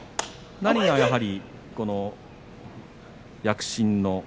何がやはり躍進の？